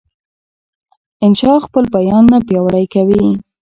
انشا خپل بیان نه پیاوړی کوي.